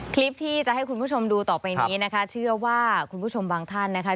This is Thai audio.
คลิปที่จะให้คุณผู้ชมดูต่อไปนี้นะคะเชื่อว่าคุณผู้ชมบางท่านนะคะ